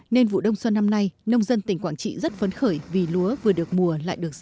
nên vụ đông xuân năm nay nông dân tỉnh quảng trị rất phấn khởi vì lúa vừa được mùa lại được giá